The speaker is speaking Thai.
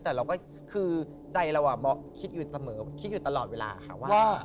แต่ใจเราคิดอยู่ตลอดเวลาว่า